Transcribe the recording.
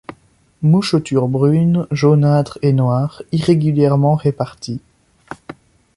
Mouchetures brunes, jaunâtres et noires irrégulièrement réparties.